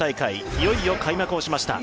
いよいよ開幕しました。